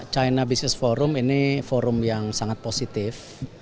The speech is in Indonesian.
china business forum ini forum yang sangat positif